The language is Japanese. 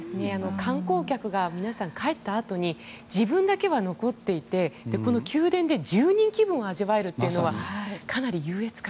観光客が皆さん帰ったあとに自分だけは残っていてこの宮殿で住人気分を味わえるのはかなり優越感。